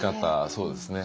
そうですね。